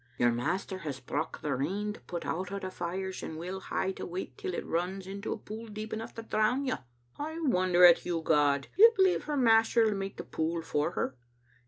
Your master has brocht the rain to put out a' the fires, and we'll hae to wait till it runs into a pool deep enough to drown yon. "I wonder at You, God. Do You believe her master'll mak* the pool for her?